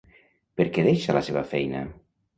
Per què deixa la seva feina?